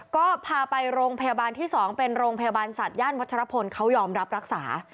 ก็พาไปโรงพยาบาลที่๒เป็นโรงพยาบาลสัตว์ย่านวัชรพลเขายอมรับรักษา